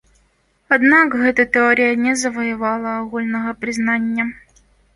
Аднак гэта тэорыя не заваявала агульнага прызнання.